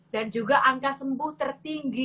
dan juga angka sembuh tertinggi